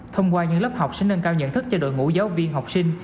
thông qua những lớp học sẽ nâng cao nhận thức cho đội ngũ giáo viên học sinh